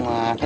người bắc thì